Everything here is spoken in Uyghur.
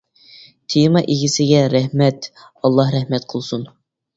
تېما ئىگىسىگە رەھمەت، ئاللا رەھمەت قىلسۇن!